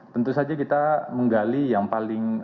tentu saja kita menggali yang paling